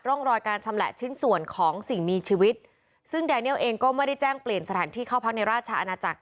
ร่องรอยการชำแหละชิ้นส่วนของสิ่งมีชีวิตซึ่งแดเนียลเองก็ไม่ได้แจ้งเปลี่ยนสถานที่เข้าพักในราชอาณาจักร